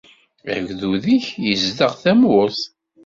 Agdud-ik izdeɣ tamurt.